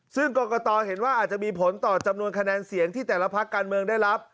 ซึ่งกรกตเห็นว่าอาจจะมีผลต่อจำนวนคะแนนเสียงที่แต่ละพักการเมืองได้รับ